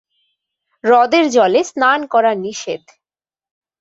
হ্রদের জলে স্নান করা নিষেধ।